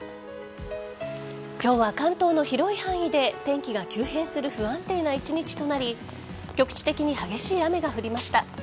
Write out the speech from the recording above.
今日は関東の広い範囲で天気が急変する不安定な一日となり局地的に激しい雨が降りました。